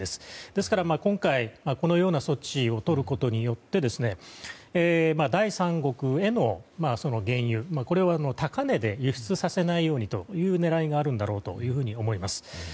ですから今回このような措置をとることによって第三国への原油これは高値で輸出させないようにという狙いがあると思います。